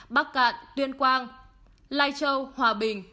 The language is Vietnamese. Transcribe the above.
bắc cạn tuyên quang lai châu hòa bình